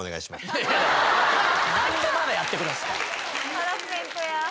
ハラスメントや。